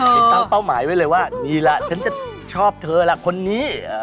ติดตั้งเป้าหมายไว้เลยว่านี่แหละฉันจะชอบเธอล่ะคนนี้